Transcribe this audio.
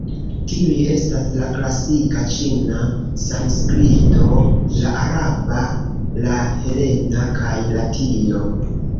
Tiuj estas: la klasika ĉina, Sanskrito, la araba, la helena, kaj Latino.